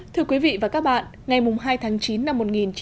thưa quý vị và các bạn ngày hai tháng chín năm một nghìn chín trăm bảy mươi năm